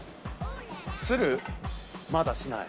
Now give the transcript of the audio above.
まだしない。